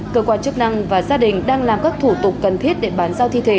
cơ quan chức năng và gia đình đang làm các thủ tục cần thiết để bán giao thi thể